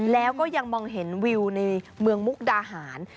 แล้วก็ยังมองเห็นวิวในเมืองมุกดาหาร